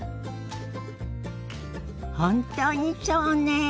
本当にそうねえ。